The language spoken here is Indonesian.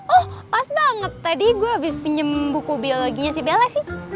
oh pas banget tadi gue habis pinjam buku biologinya si bella sih